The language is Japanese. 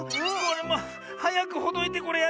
はやくほどいてこれやんないと。